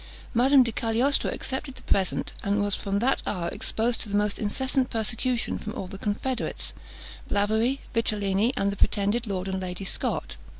Madame di Cagliostro accepted the present, and was from that hour exposed to the most incessant persecution from all the confederates Blavary, Vitellini, and the pretended Lord and Lady Scot.